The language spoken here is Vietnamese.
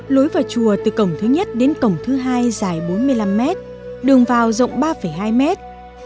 lối vào chùa từ cổng thứ nhất đến cổng thứ hai dài bốn mươi năm mét đường vào rộng ba hai mét